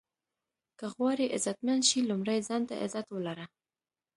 که غواړئ عزتمند شې لومړی ځان ته عزت ولره.